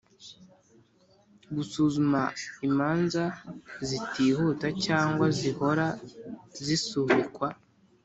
Gusuzuma imanza zitihuta cyangwa zihora zisubikwa